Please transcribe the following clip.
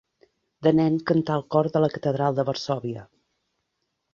De nen cantà al cor de la catedral de Varsòvia.